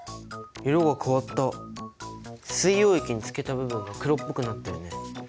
水溶液につけた部分が黒っぽくなってるね。